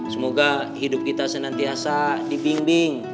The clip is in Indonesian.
semoga hidup kita senantiasa dibimbing